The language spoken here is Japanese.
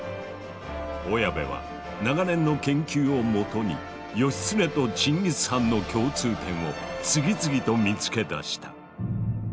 小谷部は長年の研究をもとに義経とチンギス・ハンの共通点を次々と見つけ出した。